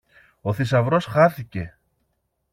Ο θησαυρός χάθηκε!